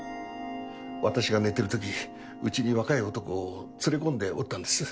私が寝てる時家に若い男を連れ込んでおったんです。